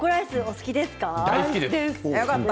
好きです。